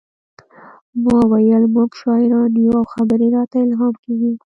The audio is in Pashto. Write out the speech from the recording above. ما وویل موږ شاعران یو او خبرې راته الهام کیږي